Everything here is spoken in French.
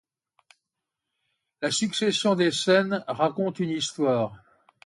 La succession des scènes raconte une histoire.